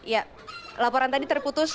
ya laporan tadi terputus